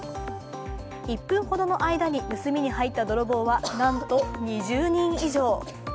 １分ほどの間に盗みに入った泥棒はなんと２０人以上。